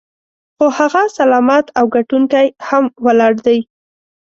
خو هغه سلامت او ګټونکی هم ولاړ دی.